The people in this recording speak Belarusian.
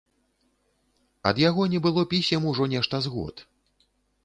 Ад яго не было пісем ужо нешта з год.